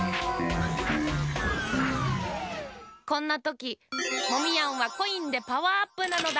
こんなときモミヤンはコインでパワーアップなのだ。